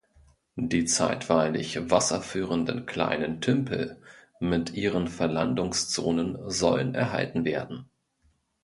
Die zeitweilig wasserführenden kleinen Tümpel mit ihren Verlandungszonen sollen erhalten werden.